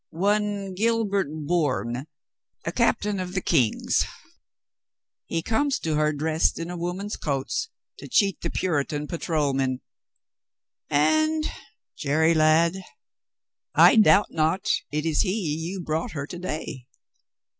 One Gilbert Bourne, a cap tain of the King's. He comes to her dressed in a woman's coats to cheat the Puritan patrolmen. And 42 COLONEL GREATHEART Jerry, lad, I doubt not it is he you brought her to day."